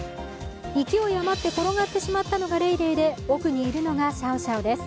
勢い余って転がってしまったのがレイレイで奥にいるのがシャオシャオです。